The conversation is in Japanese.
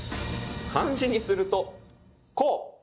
漢字にするとこう。